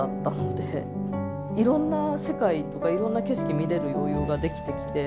いろんな世界とかいろんな景色見れる余裕ができてきて。